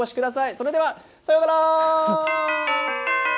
それではさようなら。